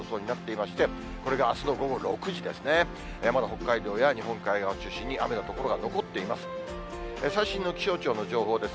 まだ北海道や日本海側を中心に、雨の所が残っています。